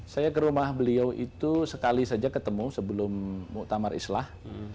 saya ke rumah beliau itu sekali saja ketemu sebelum muktamar islah